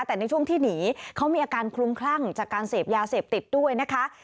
แต่ในช่วงที่หนีเขามีอาการคลุมคลั่งจากการเสพยาเสพติดด้วยนะคะ